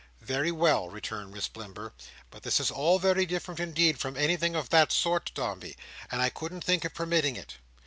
"Very well," returned Miss Blimber; "but this is all very different indeed from anything of that sort, Dombey, and I couldn't think of permitting it.